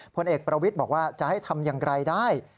ผลเอกประวิทย์บอกว่าจะให้ทำอย่างไรได้